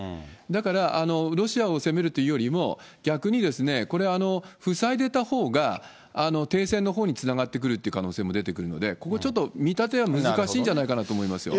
だから、ロシアを責めるというよりも、逆にこれ、塞いでたほうが、停戦のほうにつながってくるという可能性も出てくるので、ここちょっと、見立ては難しいんじゃないかなと思いますよ。